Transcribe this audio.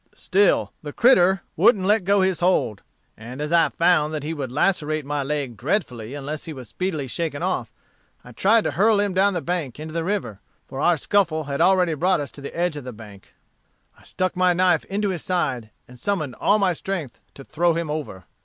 Still the critter wouldn't let go his hold; and as I found that he would lacerate my leg dreadfully unless he was speedily shaken off, I tried to hurl him down the bank into the river, for our scuffle had already brought us to the edge of the bank. I stuck my knife into his side, and summoned all my strength to throw him over.